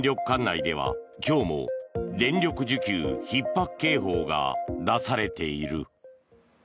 管内では今日も電力需給ひっ迫警報が出されている。